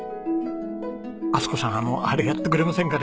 充子さんあのあれやってくれませんかね？